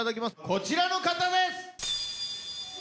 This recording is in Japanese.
こちらの方です